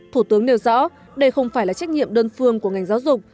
thủ tướng nêu rõ đây không phải là trách nhiệm đơn phương của ngành giáo dục